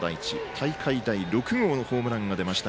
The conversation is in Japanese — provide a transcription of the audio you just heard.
大会第６号のホームランが出ました